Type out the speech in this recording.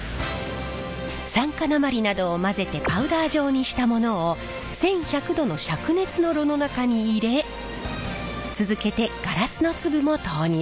酸化鉛などを混ぜてパウダー状にしたものを１，１００度のしゃく熱の炉の中に入れ続けてガラスの粒も投入。